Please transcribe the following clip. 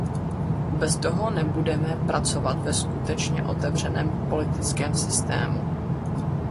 Bez toho nebudeme pracovat ve skutečně otevřeném politickém systému.